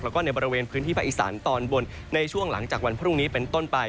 แล้วก็ในบริเวณพื้นที่ภาคอีสานตอนบนในช่วงหลังจากวันพรุ่งนี้เป็นต้นไป